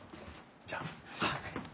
じゃあ。